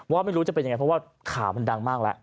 ไม่รู้จะเป็นยังไงเพราะว่าข่าวมันดังมากแล้ว